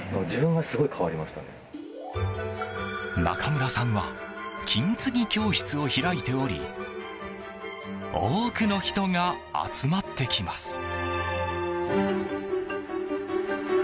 ナカムラさんは金継ぎ教室を開いており多くの人が集まってきます。